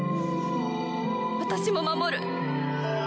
私も守る！